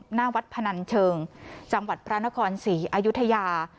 หน้าวัดพนันเชิงจังหวัดพระนครศรีอายุทยา